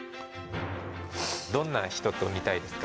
どんな人と見たいですか？